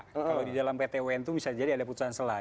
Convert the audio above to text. kalau di dalam pt un itu bisa jadi ada putusan selah